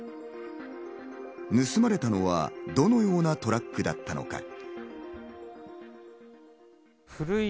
盗まれたのは、どのようなトラックだったのか？